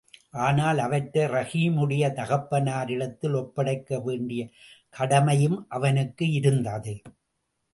ஆனால் அவற்றை ரஹீமுடைய தகப்பனாரிடத்தில் ஒப்படைக்க வேண்டிய கடமையும் அவனுக்கு இருந்தது.